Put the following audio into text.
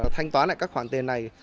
thanh toán lại các khoản tiền này